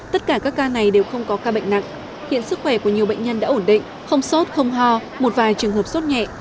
tất cả các ca này đều không có ca bệnh nặng hiện sức khỏe của nhiều bệnh nhân đã ổn định không sốt không ho một vài trường hợp sốt nhẹ